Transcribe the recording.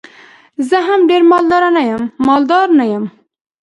زه هم ډېر مالدار نه یم.